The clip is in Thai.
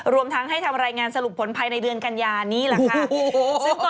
รวมทั้งให้ทำรายงานสรุปผลภายในเดือนกัญญานี้แหละค่ะ